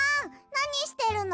なにしてるの？